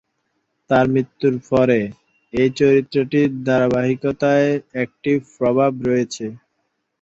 তার মৃত্যুর পরে, এই চরিত্রটির ধারাবাহিকতায় একটি প্রভাব রয়েছে।